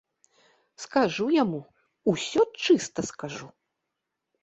Скажу яму, усё чыста скажу!